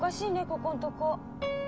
ここんとこ。